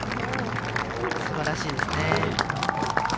すばらしいですね。